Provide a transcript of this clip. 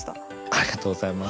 ありがとうございます。